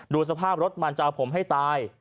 สภาพรถมันจะเอาผมให้ตาย